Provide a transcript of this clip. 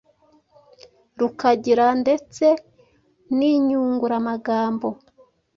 rukagira ndeste n’inyunguramagambo